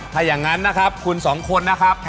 ถ้าอย่างนั้นนะครับคุณสองคนนะครับ